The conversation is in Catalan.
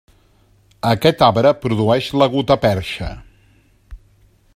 Aquest arbre produeix la gutaperxa.